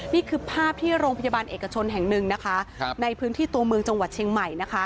นี่คือภาพที่โรงพยาบาลเอกชนแห่งหนึ่งนะคะในพื้นที่ตัวเมืองจังหวัดเชียงใหม่นะคะ